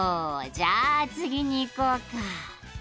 じゃあ次にいこうか。